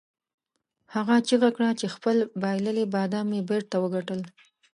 هغه چیغه کړه چې خپل بایللي بادام مې بیرته وګټل.